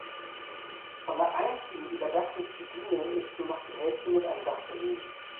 Von der einstigen überdachten Tribüne ist nur noch die Hälfte mit einem Dach versehen.